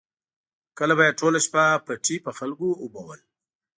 کله به یې ټوله شپه پټي په خلکو اوبول.